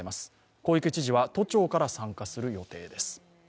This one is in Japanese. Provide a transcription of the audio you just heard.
小池知事は都庁から参加する予定です。